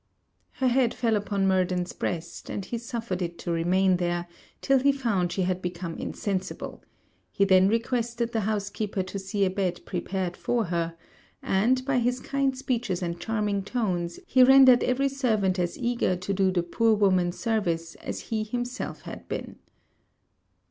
Her head fell upon Murden's breast; and he suffered it to remain there, till he found she had become insensible; he then requested the housekeeper to see a bed prepared for her; and, by his kind speeches and charming tones, he rendered every servant as eager to do the poor woman service as he himself had been.